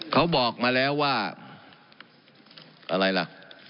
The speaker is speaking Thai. เขาบอกมาแล้วว่าอะไรล่ะ